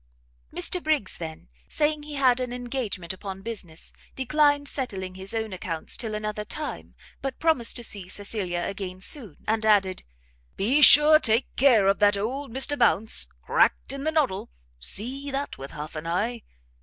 Mr Briggs then, saying he had an engagement upon business, declined settling his own accounts till another time, but promised to see Cecilia again soon, and added, "be sure take care of that old Mr Bounce! cracked in the noddle; see that with half an eye!